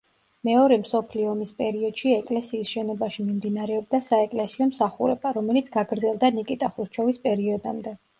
მეორე მსოფლიო ომის პერიოდში ეკლესიის შენობაში მიმდინარეობდა საეკლესიო მსახურება, რომელიც გაგრძელდა ნიკიტა ხრუშჩოვის პერიოდამდე.